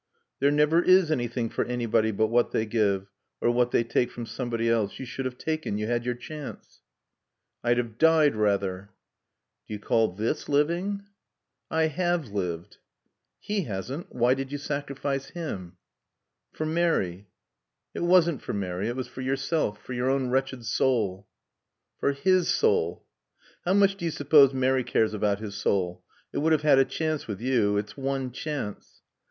"There never is anything for anybody but what they give. Or what they take from somebody else. You should have taken. You had your chance." "I'd have died, rather." "Do you call this living?" "I have lived." "He hasn't. Why did you sacrifice him?" "For Mary." "It wasn't for Mary. It was for yourself. For your own wretched soul." "For his soul." "How much do you suppose Mary cares about his soul? It would have had a chance with you. Its one chance."